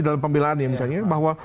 dalam pembelaannya misalnya bahwa